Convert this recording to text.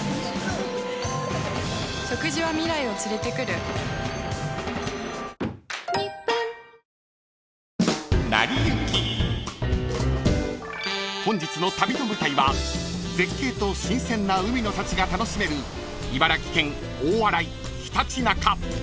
睡眠サポート「グリナ」［本日の旅の舞台は絶景と新鮮な海の幸が楽しめる茨城県大洗ひたちなか］